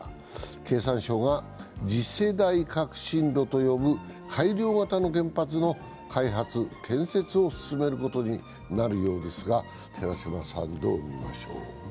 経産省が次世代革新炉と呼ぶ改良型の原発の開発・建設を進めることになるようですが、寺島さん、どう見ましょう？